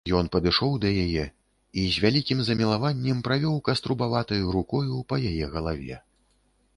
Ён падышоў да яе і з вялікім замілаваннем правёў каструбаватаю рукою па яе галаве.